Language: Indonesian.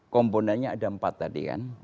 komponennya ada empat tadi kan